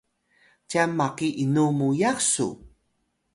cyan maki inu muyax su?